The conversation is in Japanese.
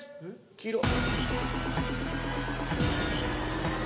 黄色。